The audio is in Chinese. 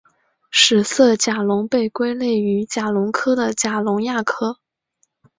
史色甲龙被归类于甲龙科的甲龙亚科。